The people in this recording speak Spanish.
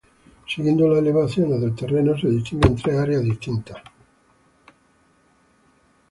Siguiendo las elevaciones del terreno se distinguen tres áreas distintas.